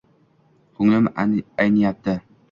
Ko'nglim ayniyapti.